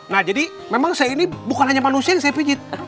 nah jadi memang saya ini bukan hanya manusia yang saya pijit